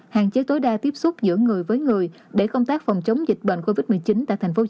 hạn chế tối đa tiếp xúc giữa người với người để công tác phòng chống dịch bệnh covid một mươi chín tại tp hcm đạt kết quả cao hơn